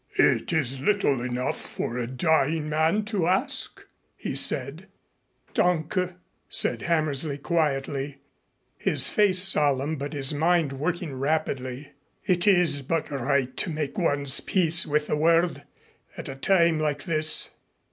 "It is little enough for a dying man to ask," he said. "Danke," said Hammersley quietly, his face solemn but his mind working rapidly. "It is but right to make one's peace with the world at a time like this."